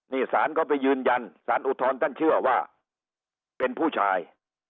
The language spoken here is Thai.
นี่ศาลก็ไปยืนยันสารอุทธรณ์ท่านเชื่อว่าเป็นผู้ชาย